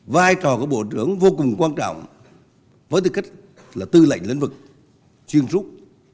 vai trò của bộ trưởng vô cùng quan trọng với tư cách là tư lệnh lĩnh vực chuyên rút